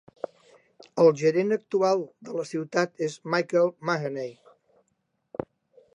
El gerent actual de la ciutat és Michael Mahaney.